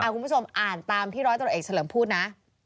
คุณผู้ชมอ่านตามที่ร้อยตรวจเอกเฉลิมพูดนะ